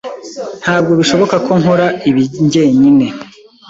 Ntabwo bishoboka ko nkora ibi njyenyine.